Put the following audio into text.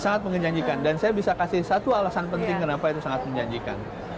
sangat menjanjikan dan saya bisa kasih satu alasan penting kenapa itu sangat menjanjikan